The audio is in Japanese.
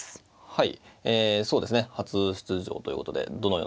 はい。